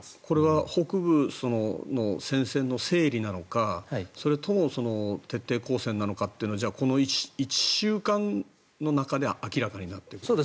これは北部の戦線の整理なのかそれとも徹底抗戦なのかっていうのはこの１週間の中で明らかになっていく？